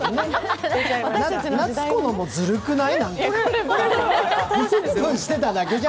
夏子のもずるくない？